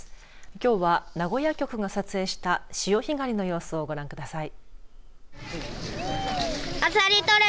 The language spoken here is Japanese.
きょうは名古屋局が撮影した潮干狩りの様子をご覧ください。